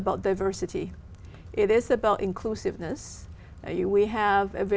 đạt được cộng đồng lớn nhất